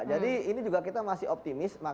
jadi ini juga kita masih optimis